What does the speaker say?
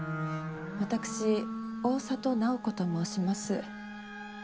私大郷楠宝子と申します。